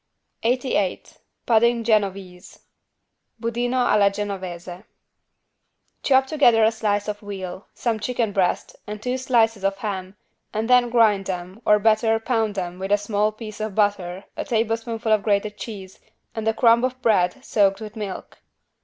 88 PUDDING GENOESE (Budino alla genovese) Chop together a slice of veal, some chicken breast and two slices of ham and then grind or better pound them, with a small piece of butter, a tablespoonful of grated cheese and a crumb of bread soaked with milk.